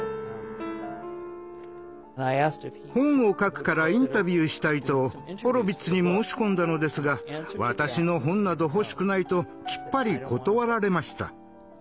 本を書くからインタビューしたいとホロヴィッツに申し込んだのですが私の本など欲しくないときっぱり断られました。